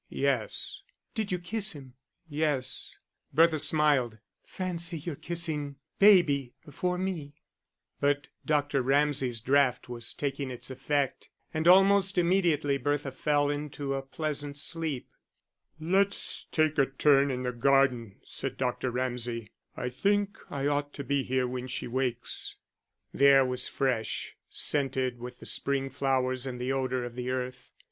"Yes." "Did you kiss him?" "Yes." Bertha smiled. "Fancy your kissing baby before me." But Dr. Ramsay's draught was taking its effect, and almost immediately Bertha fell into a pleasant sleep. "Let's take a turn in the garden," said Dr. Ramsay. "I think I ought to be here when she wakes." The air was fresh, scented with the spring flowers and the odour of the earth.